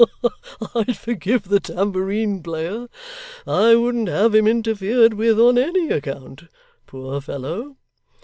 Ha ha ha! I'd forgive the tambourine player. I wouldn't have him interfered with on any account, poor fellow.